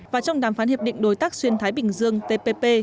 và trong đàm phán hiệp định đối tác xuyên thái bình dương tpp